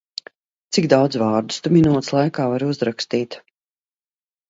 Cik daudz vārdus tu minūtes laikā vari uzrakstīt?